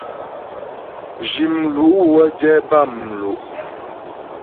Zhi mlu' wə́ jɛ bâmlu'.